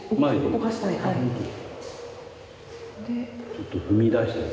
ちょっと踏み出したみたい。